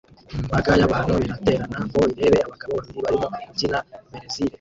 Imbaga y'abantu iraterana ngo irebe abagabo babiri barimo kubyina Berezile